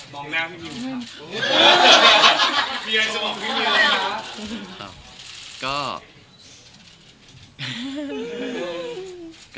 บอกแล้วพี่มิวค่ะ